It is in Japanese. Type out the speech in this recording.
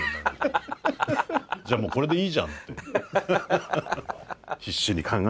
じゃあもうこれでいいじゃんって。